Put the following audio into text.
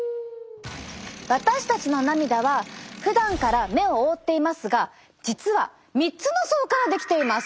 私たちの涙はふだんから目を覆っていますが実は３つの層から出来ています。